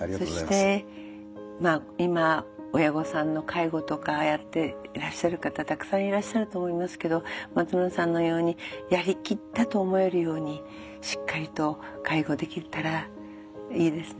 そして今親御さんの介護とかやってらっしゃる方たくさんいらっしゃると思いますけど松村さんのようにやりきったと思えるようにしっかりと介護できたらいいですね。